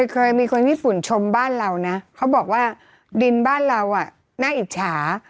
เคยมีคนญี่ปุ่นชมบ้านเรานะเขาบอกว่าดินบ้านเราน่าอิจฉา